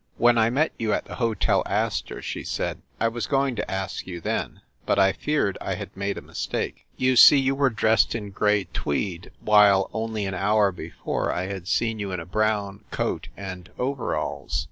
"When I met you at the Hotel Astor," she said, "I was going to ask you then ; but I feared I had made a mistake. You see, you were dressed in gray tweed, while, only an hour before, 3i6 FIND THE WOMAN I had seen you in a brown coat and overalls."